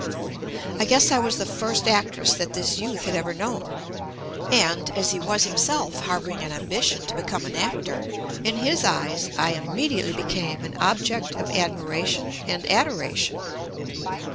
I guess I was the first actress that this youth had ever known, and, as he was himself harboring an ambition to become an actor, in his eyes I im mediately became an object of admiration and adoration.